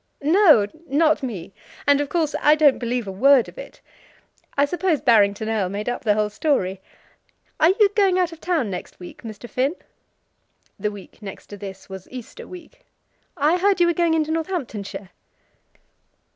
"No; not me. And of course I don't believe a word of it. I suppose Barrington Erle made up the story. Are you going out of town next week, Mr. Finn?" The week next to this was Easter week. "I heard you were going into Northamptonshire."